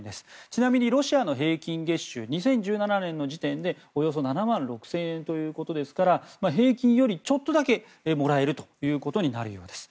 ちなみにロシアの平均月収２０１７年の時点でおよそ７万６０００円ということですから平均よりちょっとだけもらえるということになるようです。